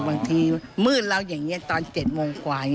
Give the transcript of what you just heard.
บางทีมืดแล้วอย่างนี้ตอน๗โมงกว่า